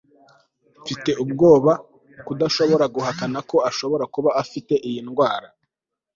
mfite ubwoba ko tudashobora guhakana ko ashobora kuba afite iyi ndwara